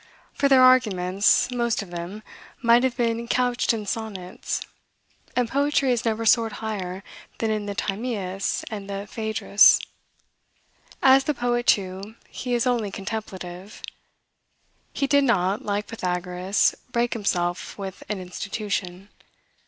For their arguments, most of them, might have been couched in sonnets; and poetry has never soared higher than in the Timaeus and the Phaedrus. As the poet, too, he is only contemplative. He did not, like Pythagoras, break himself with an institution.